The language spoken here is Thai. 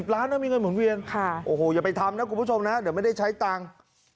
ล้านนะมีเงินหมุนเวียนโอ้โหอย่าไปทำนะคุณผู้ชมนะเดี๋ยวไม่ได้ใช้ตังค์